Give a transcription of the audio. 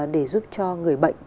để giúp cho người bệnh